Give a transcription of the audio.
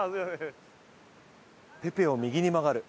ペペを右に曲がる。